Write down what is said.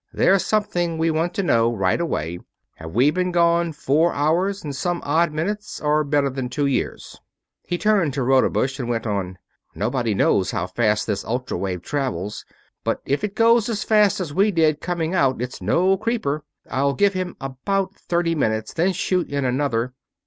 There's something we want to know right away have we been gone four hours and some odd minutes, or better than two years?" He turned to Rodebush and went on: "Nobody knows how fast this ultra wave travels, but if it goes as fast as we did coming out it's no creeper. I'll give him about thirty minutes, then shoot in another...."